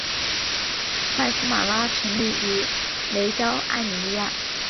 麦丝玛拉成立于雷焦艾米利亚。